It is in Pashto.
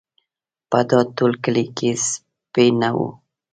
په دا ټول کلي کې سپی نه و.